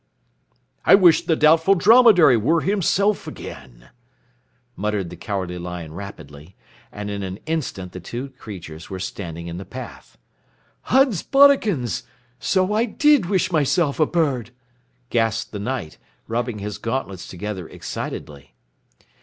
I wish the Doubtful Dromedary were himself again," muttered the Cowardly Lion rapidly, and in an instant the two creatures were standing in the path. "Uds bodikins! So I did wish myself a bird!" gasped the Knight, rubbing his gauntlets together excitedly.